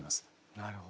なるほど。